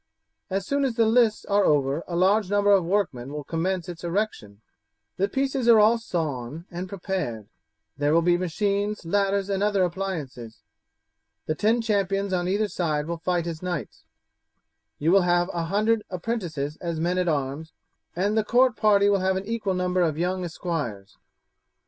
As soon as the lists are over a large number of workmen will commence its erection; the pieces are all sawn and prepared. There will be machines, ladders, and other appliances. The ten champions on either side will fight as knights; you will have a hundred apprentices as men at arms, and the court party will have an equal number of young esquires.